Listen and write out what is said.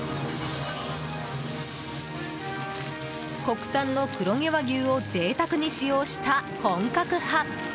国産の黒毛和牛を贅沢に使用した本格派。